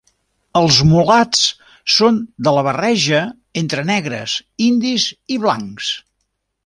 Els mulats són de la barreja entre negres, indis i blancs.